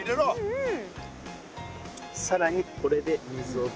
うん。